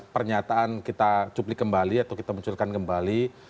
pernyataan kita cupli kembali atau kita menculikan kembali